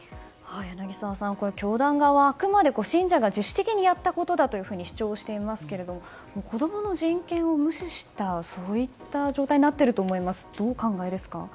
柳澤さん、教団側はあくまで信者が自主的にやったことだと主張していますが子供の人権を無視した状態になっていると思いますがどうお考えですか？